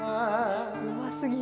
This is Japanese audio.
うますぎる。